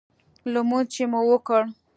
لمونځ چې مو وکړ.